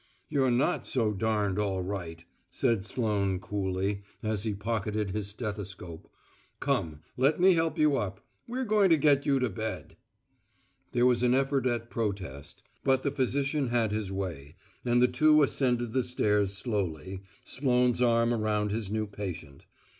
"You're not so darned all right," said Sloane coolly, as he pocketed his stethoscope. "Come, let me help you up. We're going to get you to bed." There was an effort at protest, but the physician had his way, and the two ascended the stairs slowly, Sloane's arm round his new patient.